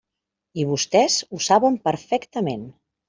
I vostès ho saben perfectament.